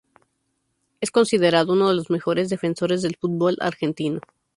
Es considerado uno de los mejores defensores del fútbol argentino.